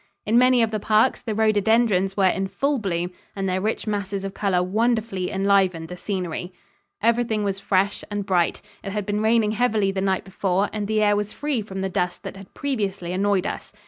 In many of the parks, the rhododendrons were in full bloom, and their rich masses of color wonderfully enlivened the scenery. Everything was fresh and bright. It had been raining heavily the night before and the air was free from the dust that had previously annoyed us.